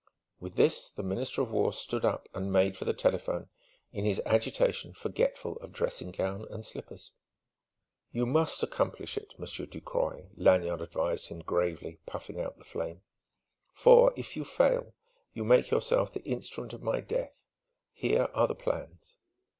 With this the Minister of War stood up and made for the telephone, in his agitation forgetful of dressing gown and slippers. "You must accomplish it, Monsieur Ducroy," Lanyard advised him gravely, puffing out the flame; "for if you fail, you make yourself the instrument of my death. Here are the plans."